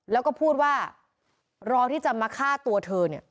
แล้วก็พูดว่ารอที่จะมาฆ่าตัวเธอเนี่ย